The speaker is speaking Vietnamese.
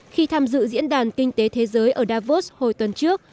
khi tham dự diễn đàn kinh tế thế giới ở davos hồi tuần trước